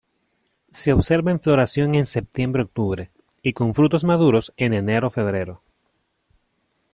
Se observa en floración en septiembre-octubre y con frutos maduros en enero-febrero.